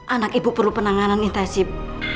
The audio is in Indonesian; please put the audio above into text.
anak ibu perlu penanganan intensif